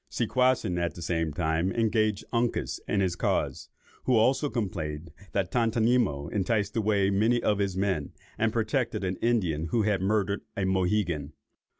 Seaquassin, at the same time, engaged Uncas in his cause, who also complained that Tontonimo enticed away many of his men, and protected an Indian who had murdered a Mohegan.